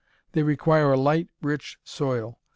They require a light, rich soil.